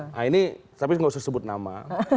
nah ini tapi nggak usah sebut nama